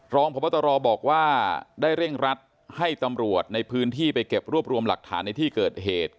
รองพบตรบอกว่าได้เร่งรัดให้ตำรวจในพื้นที่ไปเก็บรวบรวมหลักฐานในที่เกิดเหตุ